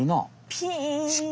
ピン。